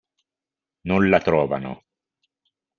Non la trovano.